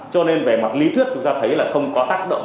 cho nên về mặt lý thuyết chúng ta thấy là không có tác động